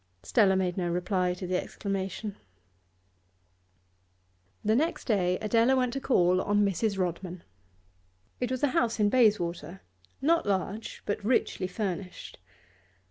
Stella made no reply to the exclamation. The next day Adela went to call on Mrs. Rodman. It was a house in Bayswater, not large, but richly furnished.